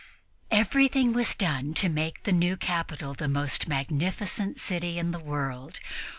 Everything was done to make the new capital the most magnificent city in the world.